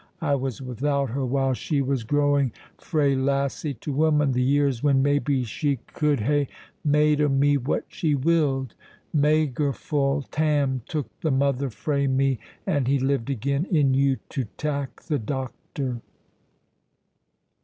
I was without her while she was growing frae lassie to woman, the years when maybe she could hae made o' me what she willed. Magerful Tam took the mother frae me, and he lived again in you to tak' the dochter."